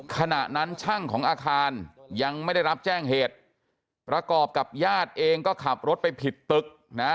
ขณะนั้นช่างของอาคารยังไม่ได้รับแจ้งเหตุประกอบกับญาติเองก็ขับรถไปผิดตึกนะ